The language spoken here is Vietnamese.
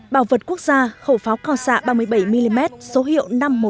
bảo vật quốc gia khẩu pháo cao xạ ba mươi bảy mm số hiệu năm trăm một mươi nghìn sáu trăm tám mươi một